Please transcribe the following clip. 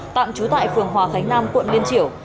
tạm trú tại phường hòa khánh nam quận liên triểu